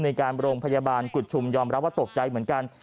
ในการโรงพยาบาลกุฎชุมยอมรับว่าตกใจเหมือนกัน